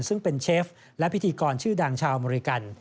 ซึ่งเป็นเชฟและพิธีกรชื่อดังชาวอเมริกัน